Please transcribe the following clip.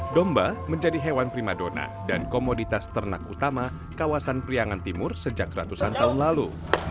domba menjadi hewan prima dona dan komoditas ternak utama kawasan priangan timur sejak ratusan tahun lalu